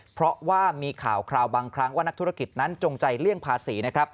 เพราะว่ามีข่าวคราวบางครั้งว่านักธุรกิจนั้นจงใจเลี่ยงภาษีนะครับ